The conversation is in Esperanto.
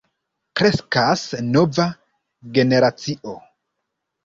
Kreskas nova generacio.